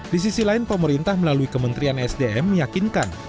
di sisi lain pemerintah melalui kementerian sdm meyakinkan